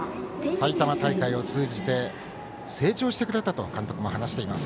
埼玉大会を通じて成長してくれたと監督も話しています。